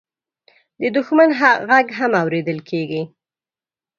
د دښمن غږ هم اورېدل کېږي.